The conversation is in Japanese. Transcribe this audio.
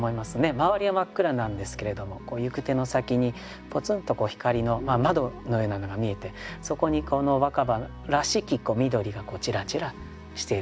周りは真っ暗なんですけれども行く手の先にぽつんと光の窓のようなのが見えてそこにこの若葉らしき緑がちらちらしている。